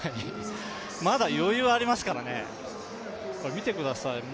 まだ余裕ありますからね見てください。